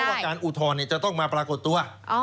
เพราะว่าการอุทรจะต้องมาปรากฏตัว